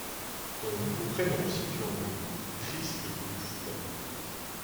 Ton nouveau prénom, si tu en veux : Triste Buffle.